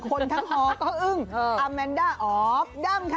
คนทั้งฮอก็อึ้งอาแมนด้าออฟดั้มค่ะ